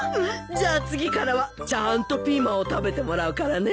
じゃあ次からはちゃんとピーマンを食べてもらうからね。